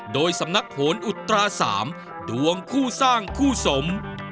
โดยสำนักโหนอุตรา๓ดวงคู่สร้างคู่สม